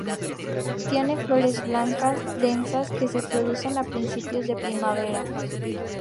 Tiene flores blancas densas que se producen a principios de primavera.